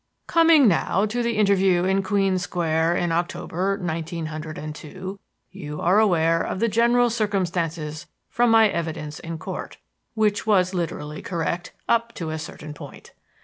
"Coming now to the interview in Queen Square in October, nineteen hundred and two, you are aware of the general circumstances from my evidence in Court, which was literally correct up to a certain point.